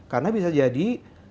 karena bisa jadi